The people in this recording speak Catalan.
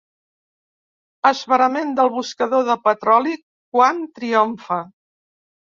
Esverament del buscador de petroli quan triomfa.